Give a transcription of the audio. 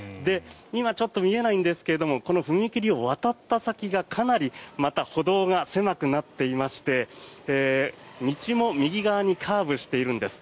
今、ちょっと見えないんですがこの踏切を渡った先がかなりまた歩道が狭くなっていまして道も右側にカーブしているんです。